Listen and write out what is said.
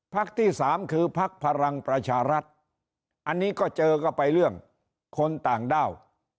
ที่สามคือพักพลังประชารัฐอันนี้ก็เจอก็ไปเรื่องคนต่างด้าว